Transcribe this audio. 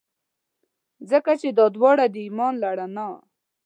ځکه چي دا داوړه د ایمان له رڼا.